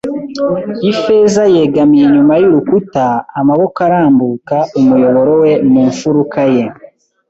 Ifeza yegamiye inyuma y'urukuta, amaboko arambuka, umuyoboro we mu mfuruka ye